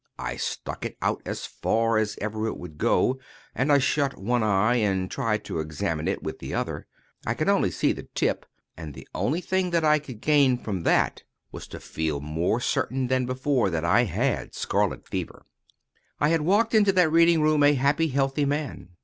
I stuck it out as far as ever it would go, and I shut one eye, and tried to examine it with the other. I could only see the tip, and the only thing that I could gain from that was to feel more certain than before that I had scarlet fever. [Picture: Man with walking stick] I had walked into that reading room a happy, healthy man.